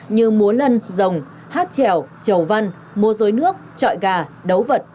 như múa lân rồng hát trèo trầu văn mua rối nước chọi gà đấu vật